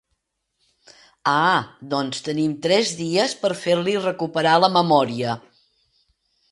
Ah, doncs tenim tres dies per fer-li recuperar la memòria.